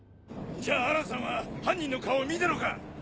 じゃあアランさんは犯人の顔を見たのか？